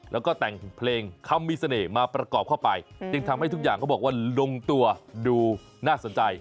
แล้วก็แต่งเพลงคำมีเสน่ห์มาประกอบเข้าไปจึงทำให้ทุกอย่างเขาบอกว่าลงตัวดูน่าสนใจ